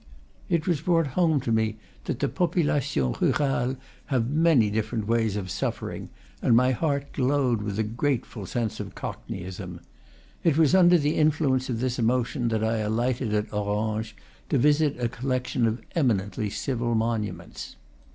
It was brought home to me that the popula tions rurales have many different ways of suffering, and my heart glowed with a grateful sense of cockney ism. It was under the influence of this emotion that I alighted at Orange, to visit a collection of eminently civil monuments.